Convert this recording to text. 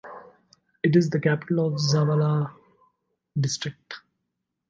It is the capital of the Zavala District.